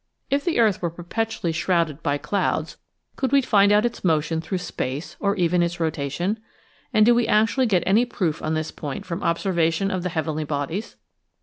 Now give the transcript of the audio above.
If the earth were perpetually shrouded by clouds could we find out its motion through space or even its rotation? And do we actually get any proof on this point from observation of the heavenly bodies